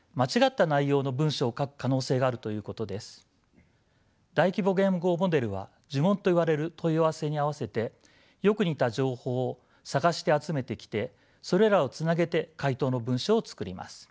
一つは大規模言語モデルは呪文といわれる問い合わせに合わせてよく似た情報を探して集めてきてそれらをつなげて回答の文章を作ります。